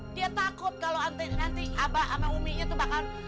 dia takut kalau nanti abah sama uminya itu bakal